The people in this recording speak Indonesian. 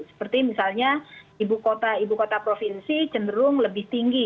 seperti misalnya ibu kota ibu kota provinsi cenderung lebih tinggi